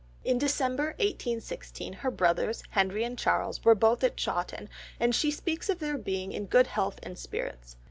In December 1816 her brothers, Henry and Charles, were both at Chawton, and she speaks of their being in good health and spirits.